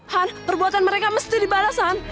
han perbuatan mereka mesti dibalas han